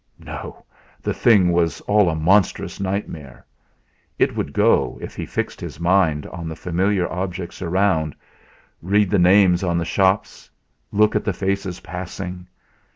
No! The thing was all a monstrous nightmare! It would go, if he fixed his mind on the familiar objects around, read the names on the shops, looked at the faces passing.